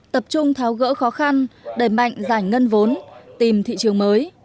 tập trung tháo gỡ khó khăn đẩy mạnh giải ngân vốn tìm thị trường mới